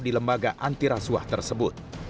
di lembaga antirasuah tersebut